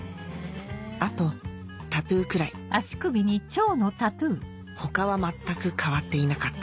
あとタトゥーくらい他は全く変わっていなかった